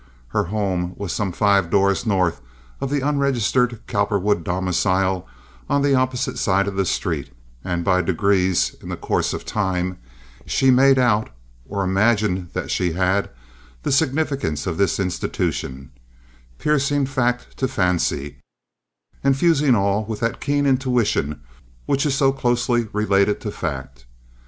Her home was some five doors north of the unregistered Cowperwood domicile on the opposite side of the street, and by degrees, in the course of time, she made out, or imagined that she had, the significance of this institution, piecing fact to fancy and fusing all with that keen intuition which is so closely related to fact.